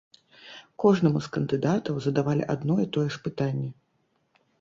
Кожнаму з кандыдатаў задавалі адно і тое ж пытанне.